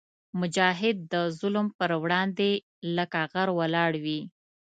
مجاهد د ظلم پر وړاندې لکه غر ولاړ وي.